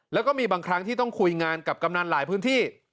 แล้วก็มีบางครั้งที่ต้องคุยงานกับกำนันหลายพื้นที่